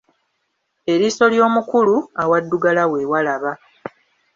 Eriiso ly'omukulu, awaddugala we walaba.